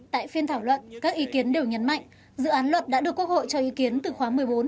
tại phiên thảo luận các ý kiến đều nhấn mạnh dự án luật đã được quốc hội cho ý kiến từ khóa một mươi bốn